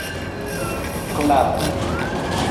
klaku